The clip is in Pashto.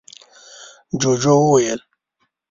ُجوجُو وويل: